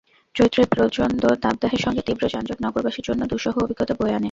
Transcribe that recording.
চৈত্রের প্রচণ্ড দাবদাহের সঙ্গে তীব্র যানজট নগরবাসীর জন্য দুঃসহ অভিজ্ঞতা বয়ে আনে।